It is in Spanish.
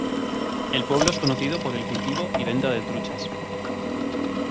El pueblo es conocido por el cultivo y venta de truchas.